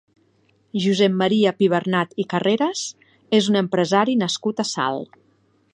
Josep Maria Pibernat i Carreras és un empresari nascut a Salt.